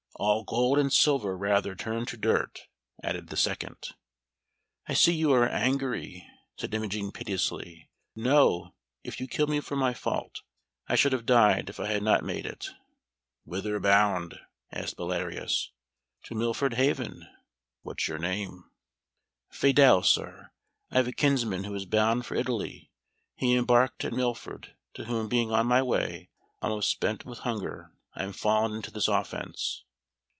"All gold and silver rather turn to dirt!" added the second. "I see you are angry," said Imogen piteously. "Know, if you kill me for my fault, I should have died if I had not made it." "Whither bound?" asked Belarius. "To Milford Haven." "What's your name?" [Illustration: "Good masters, harm me not."] "Fidele, sir. I have a kinsman who is bound for Italy; he embarked at Milford, to whom being on my way, almost spent with hunger, I am fallen into this offence."